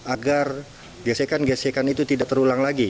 agar gesekan gesekan itu tidak terulang lagi